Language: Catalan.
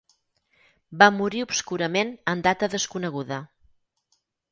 Va morir obscurament en data desconeguda.